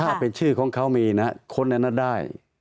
ถ้าเป็นชื่อของเขามีนะคนอันนั้นได้